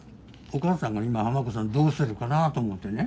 お母さんが今ハマコさんどうしてるかなと思ってね。